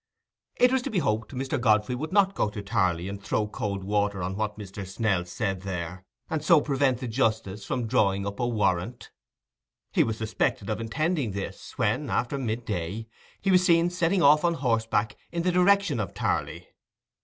It was to be hoped Mr. Godfrey would not go to Tarley and throw cold water on what Mr. Snell said there, and so prevent the justice from drawing up a warrant. He was suspected of intending this, when, after mid day, he was seen setting off on horseback in the direction of Tarley.